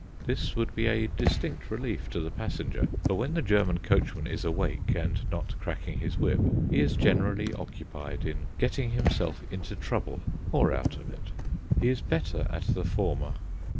This would be a distinct relief to the passenger, for when the German coachman is awake and not cracking his whip he is generally occupied in getting himself into trouble or out of it. He is better at the former.